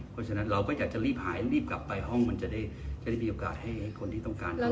เพราะฉะนั้นเราก็อยากจะรีบหายรีบกลับไปห้องมันจะได้มีโอกาสให้คนที่ต้องการเรา